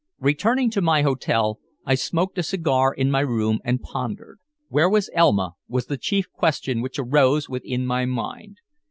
Returning to my hotel, I smoked a cigar in my room and pondered. Where was Elma? was the chief question which arose within my mind.